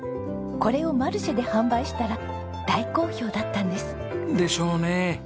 これをマルシェで販売したら大好評だったんです。でしょうね。